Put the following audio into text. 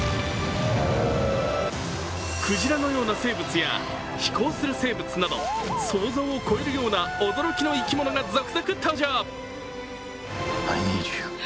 クジラのような生物や飛行する生物など想像を超えるような驚きの生き物が続々登場。